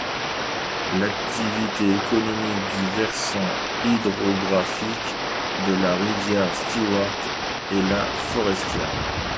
L’activité économique du versant hydrographique de la rivière Stewart est la foresterie.